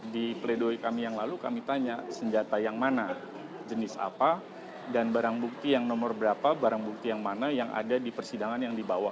di pledoi kami yang lalu kami tanya senjata yang mana jenis apa dan barang bukti yang nomor berapa barang bukti yang mana yang ada di persidangan yang dibawa